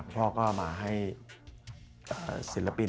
พ่อก็มาให้ศิลปิน